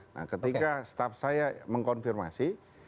nah ketika staff saya mengkonfirmasi